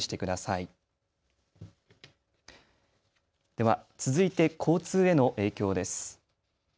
では、続いて交通への影響です。